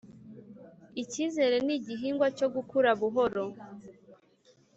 icyizere ni igihingwa cyo gukura buhoro